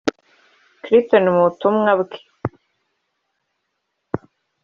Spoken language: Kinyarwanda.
Clinton mu butumwa bwe